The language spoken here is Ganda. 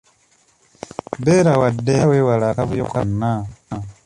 Beera wa ddembe era wewale akavuyo konna.